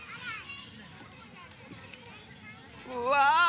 うわ！